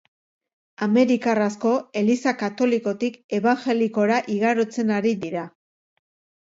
Amerikar asko eliza katolikotik ebanjelikora igarotzen ari dira.